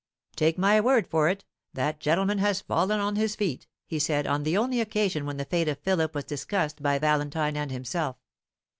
"Take my word for it, that gentleman has fallen on his feet," he said, on the only occasion when the fate of Philip was discussed by Valentine and himself.